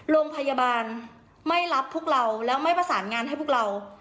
โรงพยาบาลไม่รับพวกเราแล้วไม่ประสานงานให้พวกเรา